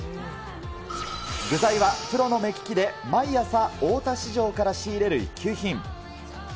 具材はプロの目利きで毎朝、大田市場から仕入れる一級品。